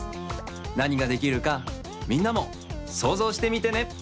なにができるかみんなもそうぞうしてみてね。